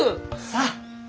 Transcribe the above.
さあ。